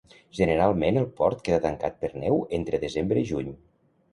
Generalment el port queda tancat per neu entre desembre i juny.